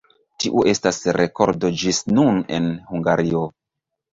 Tiu estas rekordo ĝis nun en Hungario.